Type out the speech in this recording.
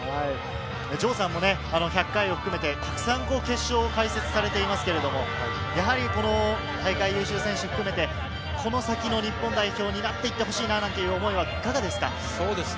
城さんも１００回を含めて、たくさん決勝を解説されていますが、やはりこの大会、優秀選手を含めて、この先の日本代表になっていてほしいなという思いはいかがですか？